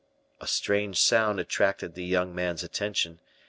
A strange sound attracted the young man's attention.